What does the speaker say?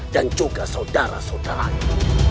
dan juga saudara saudaranya